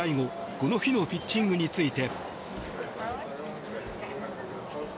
この日のピッチングについて。